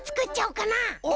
お！